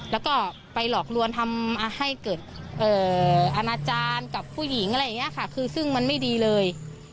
แล้วก็ไปหลอกลวนทำให้เกิดอาณาจารย์กับผู้หญิงอะไรอย่างนี้ค่ะคือซึ่งมันไม่ดีเลย